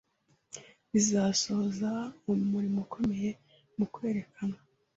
Bizasohoza umurimo ukomeye mu kwerekana